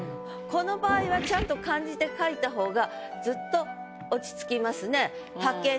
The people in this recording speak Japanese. この場合はちゃんと漢字で書いた方がずっと落ち着きますね。